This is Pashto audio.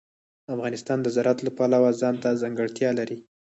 افغانستان د زراعت له پلوه ځانته ځانګړتیا لري.